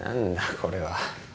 これは。